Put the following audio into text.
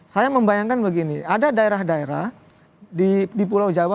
saya membayangkan begini ada daerah daerah di pulau jawa